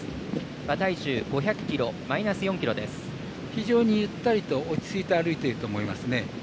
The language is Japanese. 非常にゆったりと落ち着いて歩いていると思いますね。